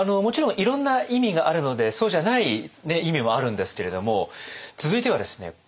もちろんいろんな意味があるのでそうじゃない意味もあるんですけれど続いてはですね